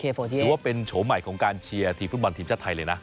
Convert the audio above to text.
ถือว่าเป็นโฉมใหม่ของการเชียร์ทีมฟุตบอลทีมชาติไทยเลยนะ